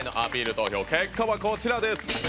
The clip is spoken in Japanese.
投票結果は、こちらです。